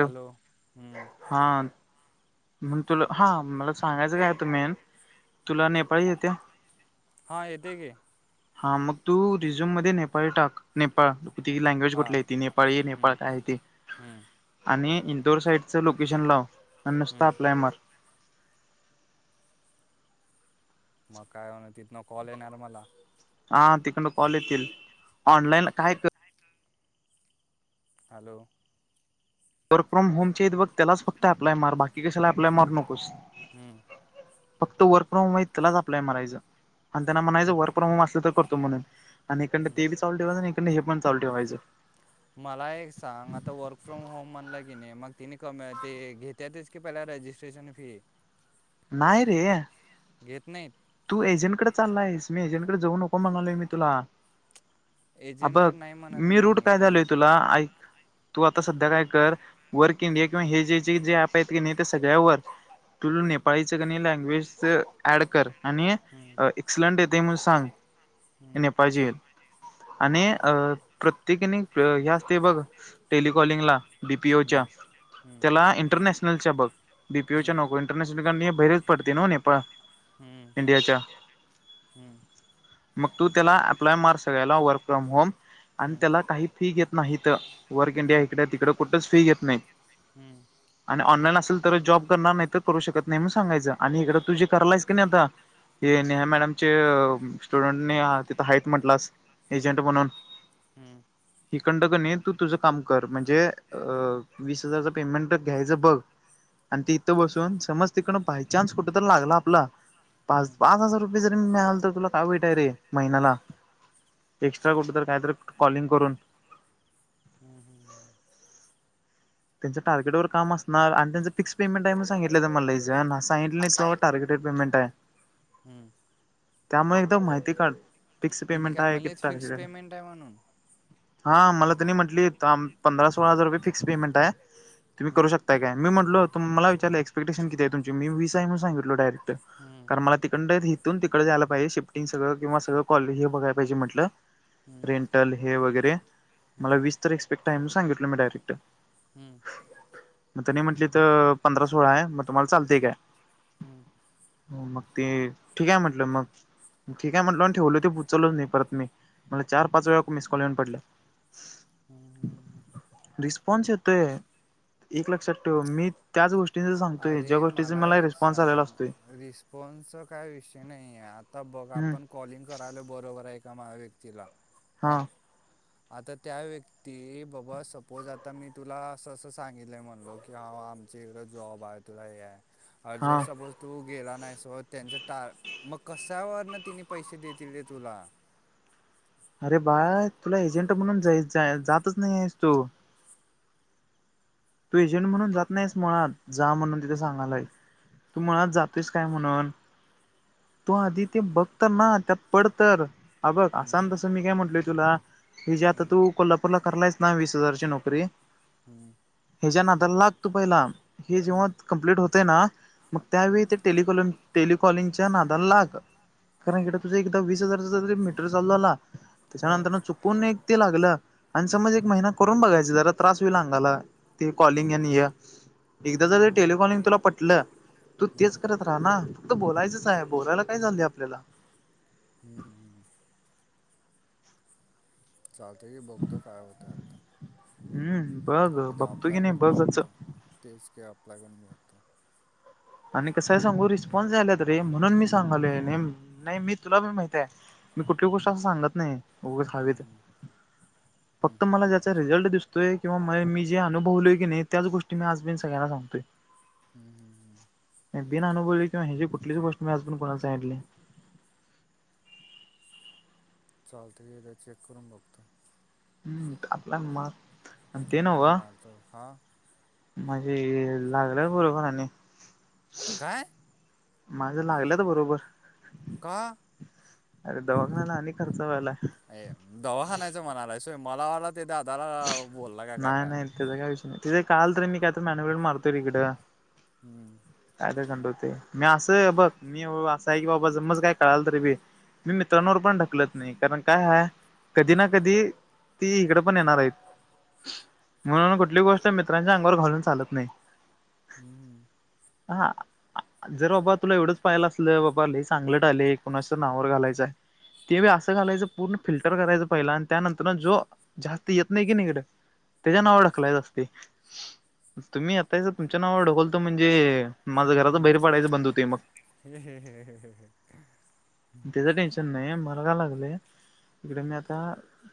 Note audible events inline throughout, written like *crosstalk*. Hello, हम्म- हांन. मण तुला हा मला सांगायचं काय होत मेन तुला नेपाळी येत्या? हा येते की. हा मग तू रिझ्यूम मध्ये नेपाळी टाक नेपाळ ती लॅग्वेज हा कुठलीय ती नेपाळी हम्म नेपाळ काय ते हम्म आणि इदोर साइडचं लोकेशन लाव नुसत हम्म आपलाय मार मग काय होणार तिथन कॉल येणार मला आं तिकडन कॉल येतील ऑनलाईन काय कर. हॅलो. वर्क फ्रॉम होमचे त बघ त्यालाच फक्त अप्लाय मार बाकी कशाला अप्लाय मारु नकोस. हम्म फक्त वर्क फ्रॉम माहिती लाच आप्लाय मारायचं आणि त्यांना हम्म म्हणायचं वर्क प्रॉम अस तर करतो म्हण आणि इकडन हम्म ते बी चालू ठेवायच आणि हिकडल हे पण चालू ठेवायचं. मला एक सांग आता वर्क फ्रॉम होम म्हणलं की नी मग तिने क - ते घेत. त्यात च की पहिला रजिस्ट्रेशन फी नाय रे. घेत नाहीत. तू एजंट कड चालायस मी एजंटकड जाऊ नको म्हनालोय मी तुला आता एजंटकडे नाही म्हणत मी रूट काय कम झालोय तुला ऐक तू आता सध्या काय कर वर्क इंडिया किंवा हे जे जी जे अॕप आहेत की नाही ते सगळ्यावर तुझ नेपाळीचं का नाही लॅग्वेजस ॲड कर. आणि हम्म अ एक्सलंट येते म्हन सांग हम्म नेपाळजील आणि अ प्रत्येकीनी ह्या असते बघ. टेलिकॉलिंगला डी पी योच्या हम्म हम्म त्याला इंटर नॅशनलच्या बघ बी पी योच्या नको इंटर नॅशनल काय नाही बहिरी च पडते नव नेपाळ हम्म इंडियाच्या *unintelligible* हम्म. मग तू त्याला अप्लाय मार सगळ्याला वर्क फ्रॉम होम आणि हम्म त्याला काही फी घेत नाहीत वर्क इंडिया इकडे तिकड कुठंच फी घेत नाही. हम्. आणि ऑनलाइन असेल तर जॉब करणार नाही तर करू शकत नाही म्हणून सांगायच आणि इकडं तुझे करालायस की नाही आता हे हम्म नेहा मॅडम चे अ स्टुडंटने अ तिथं हा येत म्हंटलास एजंट म्हणून हम्. हिकंड का नाही तू तुझं काम कर म्हणजे अ वीस हजारच पेमेंट घ्यायचं बघ. आणि ती इथं बसून समज तिकडन भाय चान्स कुठं तर लागला. आपला *unintelligible* पाच पाच हजार रुपय जर मिळाल तर तुला काय वाईट आहे रे महिन्याला एक्स्ट्रा कुठं तर काय तर कॉलिंग करून हम्म हम्म हम्. त्यांच्या टार्गेट वर काम असत. ना आणि त्यांच फिक्स पेमेंट आहे मग सगितलं मला इज ना सांगितलंय नाहीत का टार्गे पेमेंट आहे. हम्म. त्यामुळे एकदा माहिती काढ फिक्स तिने पेमेंट काय आहे म्हणलेत किती फिक्स तारखे पेमेंट आहे म्हणून हा मला त्यांनी म्हटली पंधरा सोळा हजार रुपये फिक्स पेमेंट आहे तुम्ही करू हम्म. शकता. मी म्हटलंतुमला विचारलंक्पेटेन किती तुमची मी व विसा. मी साहेब म्हणूनसांगितो डयरक्ट हम्म कारण मला त कंड तून तिकडं जायला पाहिजे शिफ्टिंग सगळं किंवा सगळ कॉलेज हे बघय पाहिजे म्हटलं हम्म रेंट हे वगैरे मला हम्म वीस तर एक्सपेक्ट आहे म सांगितलं मी डायरेक्ट हम्म. मग त्यांनी म्हटली तर पंधरा सोळा आहे मग तुम्हाला चालते एक काय? हम्म. हो मग ते ठीक आहे म्हटलं मग ठीक आहे म्हटलं ठेवलं ते उचलच नाही परत मी मला चार पाच वेळा मिस कॉल येऊन पडलं. हम्म. रिस्पन्स येतोय एक एक लक्षात ठेवमी त्याच गोष्टीं सांतोय ज्या अरे गोष्टीचा मला रिस्पॉन्स लेला असतय. फोनचा काय विषय नाही आहे आता बघ हम्म आपण कॉलिंग करायला बरोबर आहे एका म व्यक्तीला हा हां. आता त्या व्यक्ती बाबा सपोज आता मी तुला असं असं सांगितलं आहे म्हणलो की हा आमची इकडें जॉब आहे तुला हे आहेर हा जस्ट सपोज तो गेला नाही सोत त्यांच टा मग कशावर ना तिने पैसे देतील तुला अरे बाय तुला एजंट म्हणून जा जातच नाही आहेस तू तू एजंट म्हणून जात नाहीस म्हणात जा म्हणून तिथं सांगालाय. तू मुळात जातोयस काय म्हणून तो आधी ते बघत ना त्यात पडत. अ बघ हम्म असा हम्म ना तसं मी काय म्हटलय तुला हेी जे आता हम्म तू कोल्हापूरला करालायस? ना वीस हजारची नोकरी हम्म. ह्याच्या नादला लागतो पहिला हे जेव्हा हम्म कमप्लीट होते ना मग हम्म त्यावेळी ते टेलिकॉलम टेलिकॉलिंगच्या नादला लाग कारण इक तु एकदा वीस हजार मीटर चालू झाला हो. त्याच्यानंतर चुकून एक ते लागलं. आणि समज एक हम्म महिना करून बघायचा जरा त्रास होईल अंगाला ते कॉलिंग आणि या एकदा जर हम्म टेलफॉनिंग तुला पटलं तू हम्म तेच करत. रा ना फक्त बोलायचंच आहे बोलायला काय चाललं आपल्याला हम् हम हम. चालते की बघतो काय होते आत्ता हम्म बघ बघतो की नाही बघच. तेज का आपला करूनभघतो. आणि कसय सांगू रिस्पॉन्स झायला त रे म्हणून मी सांगालो नाही मी तुला पण माहित आहे. मी कुठली गोष्ट असं सांगत नाही व हवी तर हम्म हम्म फक्त हम्म मला हम्म ज्याचा रिझल्ट दिसत. किं मी जे अनुभवलय की नाही त्या गोष्टी मी आजण सगळ्यांना सांगतोय. हम्म हम् हम्. दिन अनुभव किंवा ह्याची कुठलीच गोष्ट मीज कोणा सांगितले नाही. चालते तर चेक करून बघतो. हम्म आपल्या मार ते नव अप्लाय का? मारतो हां म्हजे लागलंय बरोबर आणि काय? माझ्या लागल्यात बरोबर का? अरे दवाखण्या्याला आणि खर्च व्हायला. अ दवाखान्याचा म्हणाला आहे सोय मला वाला ते दादाला बोलला काय काय का? तझ काय विष नाही त तेे काल र नी कायत मबड मारतरी इकं हम्म. काय तर घंडवते मी असं बघ मी असं आहे की बाबा जमज काय कळाल तरी बी मी मित्रांवर पण ढकलत नाही कारण काय ह कधी ना कधी ती इकडे पण येणार आहेत म्हणून कुठली गोष्ट मित्रांच्या अंगावर घालून चालत नाही. हम्म. हा. जर बाबा तुला एवढंच पाहायला असलं बाबा लईच अंगलट आले कोणाचं नावावर घालायचंय हाय. ते असं घालायचं पूर्ण फिल्टर करायचं पहिला आणि त्यानंतर जो. जास्त येत नाही की निकड हिकडं. त्याच्या नावावर हम्म ढकलायचं असते तुम्ही आता याच तुमच्या नावावर ढकलतो म्हणजे. माझं घराात हम्म बाहेर पडायं बंद होते मग. *inaudible* त्याच टेन्शन नाही मला काय लागलेय. इकडे मी आता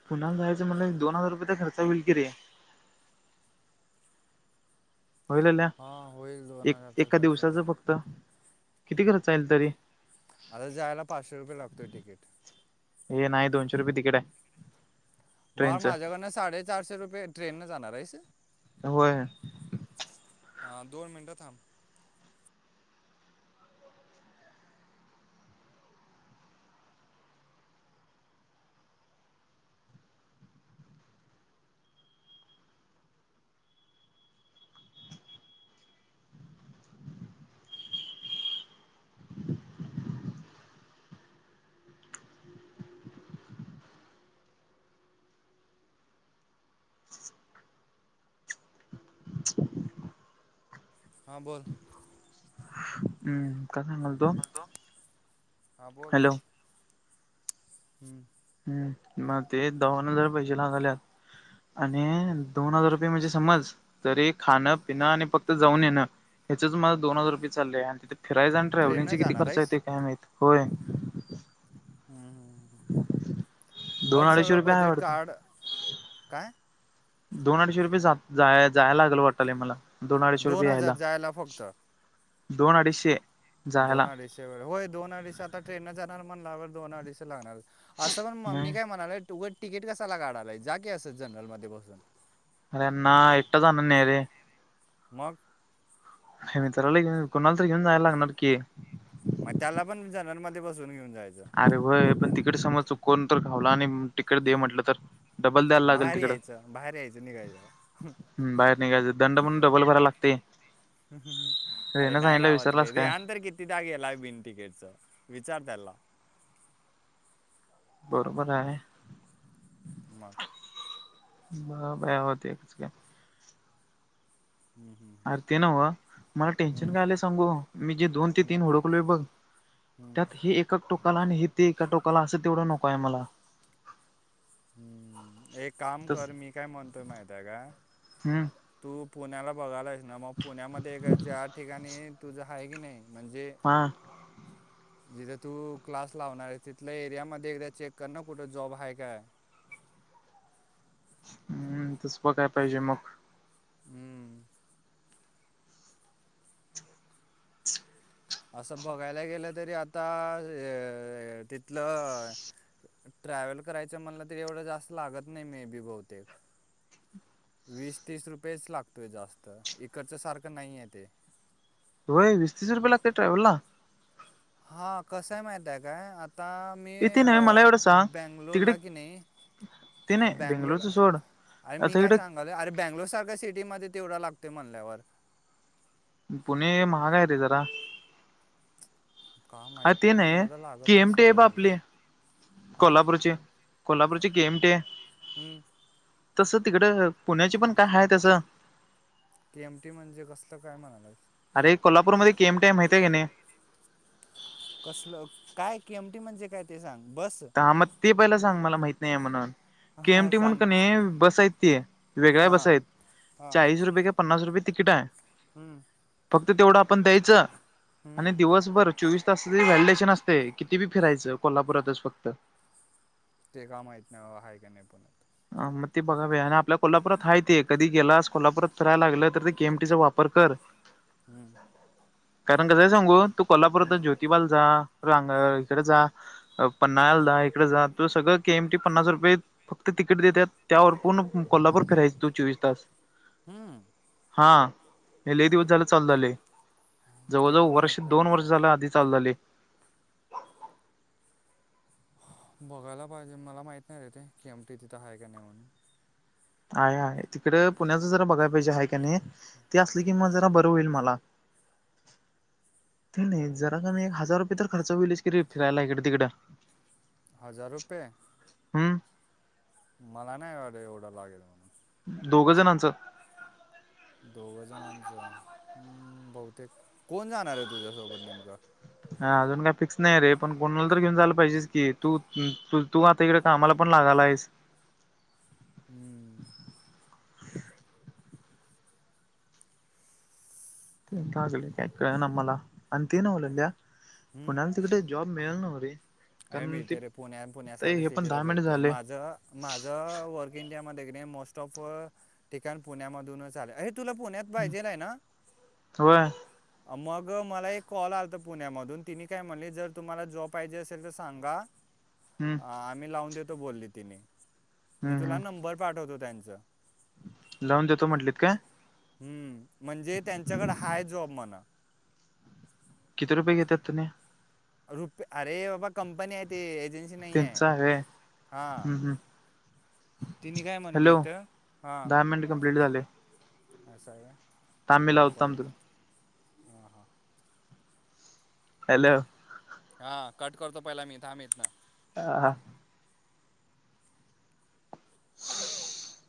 पुण्याला जायचं म्हणलं एक दोन हजार रुपयचा खर्च होईल कि रे. होईल आल्या हा होईल दोन एक हजार तर एका खर्च होईल दिवसाचं फक्त किती घर चाईल तरी. आता जायला पाचशे रुपये लागतोय तिकीट. हे नाही दोनशे रुपये तिकीट आहे. बर ट्रेनचं माझ्याकडनं साडेचारशे रुपये ट्रेन न जाणार आहेस. होय. हा दोन मिनटं थांब. हां बोल. हम्म काय सांगाल तो. हा बोल. हॅलो हम्म. हम् मग ते दवाखान्यात हजार पैसे झाल्यात. आणि दोन हजार रुपये म्हणजे समज. तरी खाणं पिणं आणि फक्त जाऊन येणं. ह्याच मला दोन हजार रुपय चालले आहे तथे फिरायचं आणि ट्रेननं ट्रॅव्हलिंगचे किती जाणार खर्च आहेस येते कायम माहित. दोन बघ अडीचशे सगळं रुपये आहे बजेट वाटतं काढ काय. दोन अडीचशे रुपये जा जायला लागल वाटलय मला दोन अडीचशे रुपये हजार यायला. जायला फक्त दोन अडीचशे. जायला दोन अडीशेवर होय दोन अडीस आता ट्रेन न जाणार म्हणलावर दोन अडीस लागणार की. असं पण म मी नाही काय म्हणालय तुं तिकीट कसाला काढालाय जा की असत जनरल मध्ये बसून. अरे ना एकटा जाणार नाही रे. मग. मित्राला घेऊन कुणाल तर घेऊन कोणा तरी जायला लागणार की. मग त्याला पण जनावरांमध्ये बसून घेऊन जायचं. अरे वय पण तिकीट समज चुकवून तर खावला आणि तिकीट दे म्हटलं तर. डबल द्यायला लागेल बाहेर तिकड यायचं बाहेर यायचं निघायचं बाहेर निघायचं दंड म्हणून डबल करायला लागत. ते. हम्म हम्म अरे विसरलास नयगावाते काय यांतर कि. किदा गेलाय बिन तिकीट च विचार त्याला. बरोबर आहे. मग. बा बाया होतीच का. हम्म, हम्म, अर ते नाव मला टेन्शन हम्म. काय आलंय सांगू मी जे दोन ते हम्म, तीन ओडखलोय बघ. हम्म, त्यात हे एकाक टोकाला आणि हे ते एका टोकाला असं तेवढं नको आहे मला. हम्म एक काम तस कर मी काय म्हणतोय माहित आहे का. हम्म तू पुण्याला बघायला आहेस ना मग पुण्यामध्ये एक ज्या ठिकाणी तुझं आहे की नाही म्हणजे. हा, जिथे तू क्लास लावणार आहे तिथल्या एरिया मध्ये एकदा चेक कर ना कुठं जॉब आहे काय. हूं तस प काय पाहिजे मग. हूं! असं बघायला गेलं तरी आता ए तिथलं. ट्रॅवल करायचं म्हनल तरी एवढं जास्त लागत नाही मे बी बहुतेक. वीस तीस रुपयेच लागतोय जास्त, इकडच्या सारखं नाही आहे ते. होय वीस तिस रुपये लागते ट्रॅव्हलला. हा कसंय माहित आहे काय आता मी ए ते नव्हे मला एवढं सांग तिकडे बेंगलोला की नाही ते नाही बेंगलोला बेंगलोरचं सोड अये मी आता काय इकडे सांग अरे बेंगलो सारख सिटीमध्ये तेवढा लागतो म्हणल्यावर. पुणे महाग आहेेते जरा. का माहीत हा ते पण नाही एवढं की लागत केएमटी नसेल आहे बा आपली. बहुतेक हां कोल्हापूरची, कोल्हापूरची केएमटी आहे. हम्म तसं तिकड पुण्याची पण काय आहे तसं. केएमटी म्हणजे कसलं काय म्हणालाय. अरे कोल्हापूरमध्ये केएमटी माहितय की नाही. कसलं काय? केएमटी म्हणजे काय ते सांग बस. हां म ते पहिला सांग मला माहीत नाही आहे म्हणून. के हां एमटी म्हणून सांग का नही बस आहेत ती वेगळ्या बस हां आहेत. चाळीस रुपये का पन्नास रुपये तिकीट आहे. हूं! फक्त तेवढं आपण द्यायचं, हम्म आणि दिवसभर चोवीस तासाच व्हॅलडेशन असते, किती बी फिरायचं कोल्हापुरातच फक्त. ते का माहीत नाही बा हायका नाही पुण्यात. आ म ते बघावे, आणि आपल्या कोल्हापुरात आहे ते, कधी गेलास कोल्हापुरात कराय लागलं तर ते केएमटीचा वापर कर. हूं! कारण कसंय सांगू तू कोल्हापूरात हम्म ज्योतिबाल जा रांग इकडे जा. पन्हाळाल धा इकडे जा तुज सगळं के एमटी पन्नास रुपये ते तिकीट देतात त्यावर पूर्ण कोल्हापूर फिरायचं तू चोवीस तास. हूं! हा हे लयी दिवस झालं चालू झालय जवळ, ते का जवळ माहीत वर्ष दोन नाही वर्ष बाबा झालं मला आधी चालु झालय. बघायला पाहिजे मला माहित नाही रे ते केएमटी तिथं आहे का नाही म्हणून. आहे, आहे तिकडे पुण्याच जरा बघाय पाहिजे आहे का नाही ते असली की मग जरा ब र होईल मला. *inaudible* ते नही जरा कनि एक हजार रुपये तर खर्च होईलच की रे फिरायला इकड तिकडं. हजार रुपये? हूं! मला नाही वाटे एवढं लागेल म्हणून. दोघ जणांचं. दोघ जणांच हूं बहुतेक कोण जाणार आहे तुझ्यासोबत नेमकं. हा अजून काय फिक्स नाही रे पण कोणाला तर घेऊन जाला पाहिजेस की, तू तु तू आता इकडे कामाला पण लागाला आहेस. हूं! *unintelligible* तिकडे जॉब मिळेल ना मले? काय मिळतय रे पुण्यात आणि पुण्यासारख्या पण सिटीला दहा मिनिट भेटतेय. झाले माझं- माझं वर्क इंडियामध्ये मोस्ट ऑफ- ठिकाण पुण्यामधूनच आले, ये तुला पुण्यात पाहिजेल आहे ना? होय मग मला एक कॉल आलाता पुण्यामधून, तिने काय म्हणले जर तुम्हाला जॉब पाहिजे असे- ल तर सांगा, हम्म आम्ही लावून देतो बोलली तिने. मी हम्म तुला हम्म नंबर पाठवतो त्यांचं. लावून देतो म्हंटलीत काय? हम्म, म्हणजे त्यांच्याकडे हाय जॉब म्हण. किती रुपय घेतात तुने? रुपे- अरे बाबा कंपनी आहे, ते एजन्सी नाही आहे. हा. हम्म हम्म तिने काय हॅलो म्हणलीत? हा. दहा मिनिट कंप्लीट झाले आस आहे का मी थांब लावतो परत तुला हां हां *unintelligible* हॅलो? हा, कट करतो पहिला मी, थांब इतन. ह हा *inaudible* *inaudible*